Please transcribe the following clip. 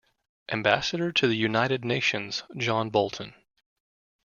Ambassador to the United Nations John Bolton.